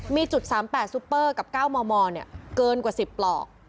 มีจุด๓๘ซุปเปอร์กับ๙มมเกินกว่า๑๐ปลอก